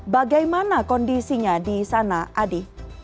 bagaimana kondisinya di sana adi